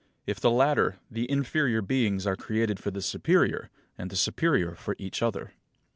If the latter, the inferior beings are created for the superior, and the superior for each other.